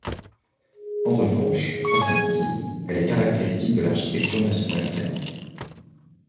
En revanche, par son style, elle est caractéristique de l'architecture nationale serbe.